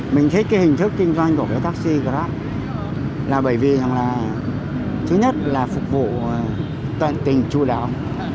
mình thích cái hình thức kinh doanh của cái taxi grab là bởi vì thứ nhất là phục vụ toàn tình chú đạo